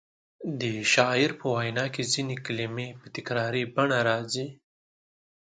د شاعر په وینا کې ځینې کلمې په تکراري بڼه راځي.